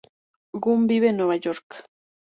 Gunn vive en Nueva York.